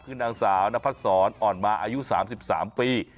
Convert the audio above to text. คือนางสาวนพัดศรอ่อนมาอายุ๓๓ปี